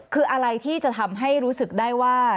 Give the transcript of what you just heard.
คืออะไรที่จะทำให้รู้สึกได้ว่า